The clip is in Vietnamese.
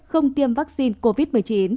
không tiêm vaccine covid một mươi chín